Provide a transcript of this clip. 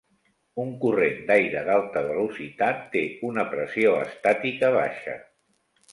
Un corrent d'aire d'alta velocitat té una pressió estàtica baixa.